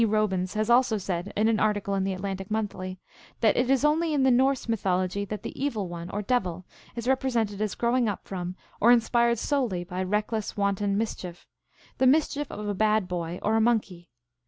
Robins has also said in an article in the Atlantic Monthly, that it is only in the Norse mythology that the Evil One, or devil, is repre sented as growing up from or inspired solely by reck less wanton mischief, the mischief of a bad boy or a monkey.